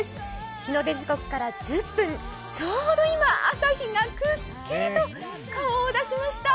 日の出時刻から１０分、ちょうど今、朝日がくっきりと顔を出しました。